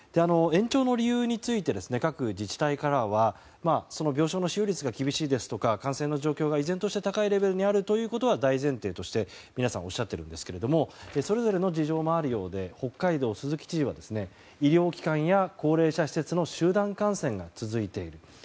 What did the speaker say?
延長の理由について各自治体からは病床使用率が厳しいですとか感染状況が依然として高いレベルにあるということが大前提として皆さんおっしゃっているんですがそれぞれの事情もあるようで北海道の鈴木知事は医療機関や高齢者施設の集団感染が続いている。